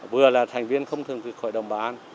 vừa là thành viên không thường trực hội đồng bảo an